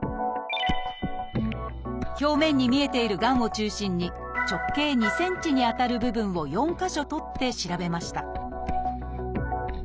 表面に見えているがんを中心に直径２ｃｍにあたる部分を４か所採って調べました